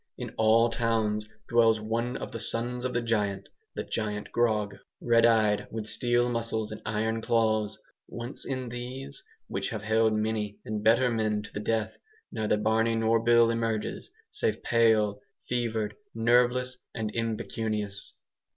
In all towns dwells one of the 'sons of the Giant' the Giant Grog red eyed, with steel muscles and iron claws; once in these, which have held many and better men to the death, neither Barney nor Bill emerges, save pale, fevered, nerveless, and impecunious.